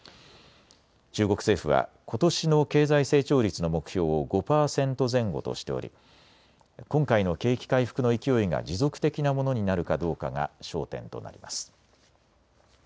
中国政府はことしの経済成長率の目標を５％前後としており今回の景気回復の勢いが持続的なものになるかどうかが焦点となります。